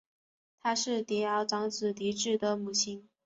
她是帝喾长子帝挚的母亲。